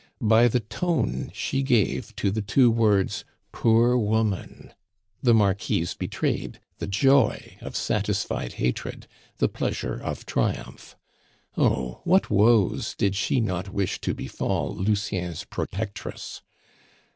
By the tone she gave to the two words, "Poor woman!" the Marquise betrayed the joy of satisfied hatred, the pleasure of triumph. Oh! what woes did she not wish to befall Lucien's protectress.